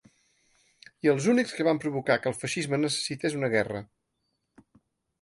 I els únics que van provocar que el feixisme necessités una guerra.